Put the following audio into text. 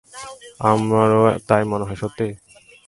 আমারও তাই মনে হয়, - সত্যি?